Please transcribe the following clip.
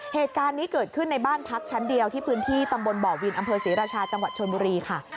เหตุการณ์นี้เกิดขึ้นในบ้านพักชั้นเดียวที่พื้นที่ตำบลบ่อวินอำเภอศรีราชาจังหวัดชนบุรีค่ะ